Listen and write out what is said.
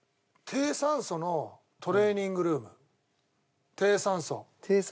低酸素のトレーニングルーム。